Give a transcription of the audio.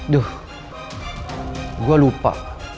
duh gue lupa